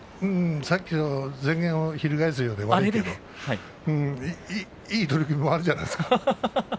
さっきの前言を翻すようで悪いんだけれどいい取組もあるじゃないですか。